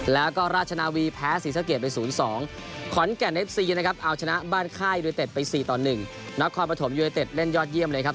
แล้วความประถมอยู่ในเต็ดเล่นยอดเยี่ยมเลยครับ